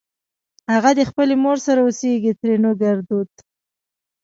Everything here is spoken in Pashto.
اغه دې خپلې مور سره اوسېږ؛ ترينو ګړدود